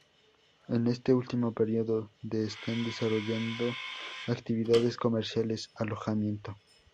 En este último período de están desarrollando actividades comerciales: alojamiento.